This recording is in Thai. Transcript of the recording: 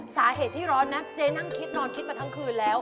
สาเหตุที่ร้อนนะเจ๊นั่งคิดนอนคิดมาทั้งคืนแล้ว